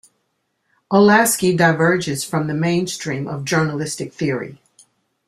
Olasky diverges from the mainstream of journalistic theory.